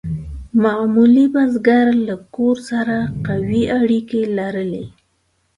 معمولي بزګر له کور سره قوي اړیکې لرلې.